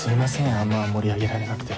あんま盛り上げられなくて。